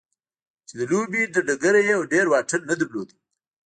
چې د لوبې له ډګره يې ډېر واټن نه درلود.